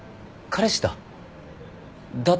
彼氏だ。